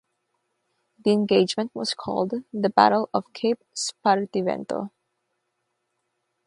The engagement was called the Battle of Cape Spartivento.